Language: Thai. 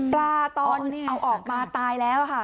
ตอนเอาออกมาตายแล้วค่ะ